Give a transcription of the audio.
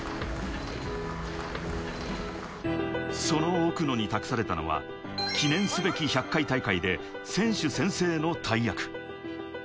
その奥野に託されたのは、記念すべき１００回大会で選手宣誓の大役。